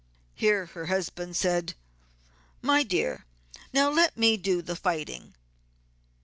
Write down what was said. Here her husband said, 'my dear, now let me do the fighting.'